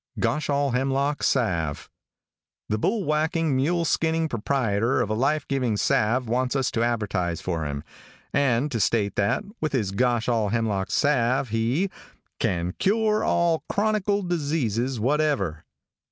GOSHALLHEMLOCK SALVE. |THE bullwacking, mule skinning proprieter of a life giving salve wants us to advertise for him, and to state that, with his Goshallhemlock salve he "can cure all chronicle diseases whatever."